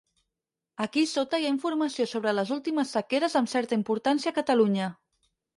Aquí sota hi ha informació sobre les últimes sequeres amb certa importància a Catalunya.